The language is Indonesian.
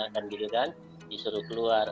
kan gitu kan disuruh keluar